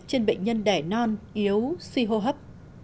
trên bệnh nhân đẻ non yếu suy hô hấp